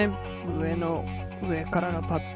上からのパット